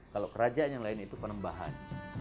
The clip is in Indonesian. kalau kerajaan yang lain itu penembahan